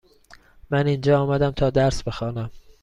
من اینجا آمدم تا درس بخوانم.